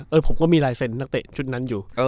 ผมก็มีลายเซ็นต์นักเตะชุดนั้นอยู่